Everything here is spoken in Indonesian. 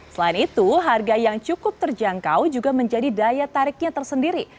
selain itu harga yang cukup terjangkau juga menjadi daya tariknya tersendiri